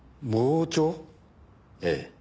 ええ。